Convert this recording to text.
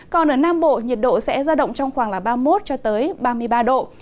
còn ở nam bộ nhiệt độ sẽ ra động trong khoảng ba mươi một ba mươi ba độ